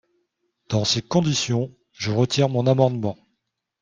Dans ces conditions, je retire mon amendement.